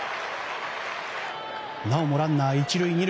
なおもランナー１塁２塁。